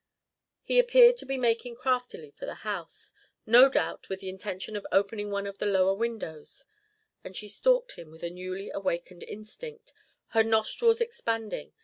He appeared to be making craftily for the house, no doubt with the intention of opening one of the lower windows; and she stalked him with a newly awakened instinct, her nostrils expanding.